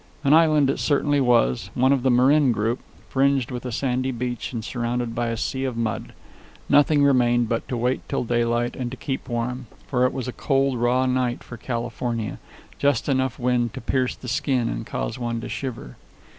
An island it certainly was, one of the Marin group, fringed with a sandy beach and surrounded by a sea of mud. Nothing remained but to wait till daylight and to keep warm; for it was a cold, raw night for California, with just enough wind to pierce the skin and cause one to shiver.